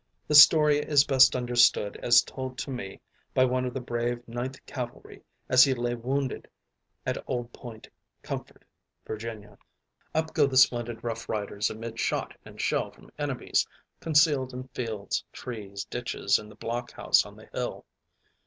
The story is best understood as told to me by one of the brave 9th Cavalry as he lay wounded at Old Point Comfort, Va. Up go the splendid Rough Riders amid shot and shell from enemies concealed in fields, trees, ditches, and the block house on the hill.